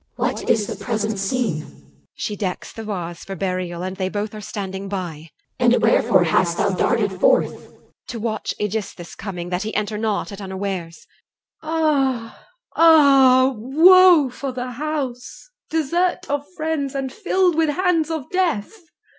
CH. What is the present scene? EL. She decks the vase For burial, and they both are standing by. CH. And wherefore hast thou darted forth? EL. To watch Aegisthus' coming, that he enter not At unawares. CLY. (within). Ah! ah! Woe for the house, Desert of friends, and filled with hands of death!